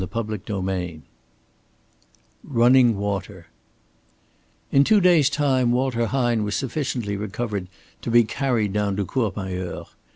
CHAPTER XXVI RUNNING WATER In two days' time Walter Hine was sufficiently recovered to be carried down to Courmayeur.